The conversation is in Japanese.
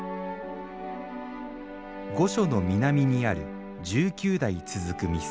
御所の南にある十九代続く店。